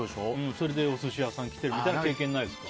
それでお寿司屋さん来てみたいな経験ないですか？